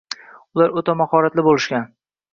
Ular o`ta mahoratli bo`lishgan